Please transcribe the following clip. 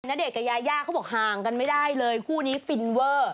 ณเดชน์กับยายยะพวกเหมือนค่วงห่างกันไม่ได้เลยคู่นี้ฟินเว้อร์